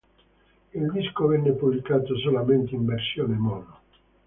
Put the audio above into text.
Il disco venne pubblicato solamente in versione mono.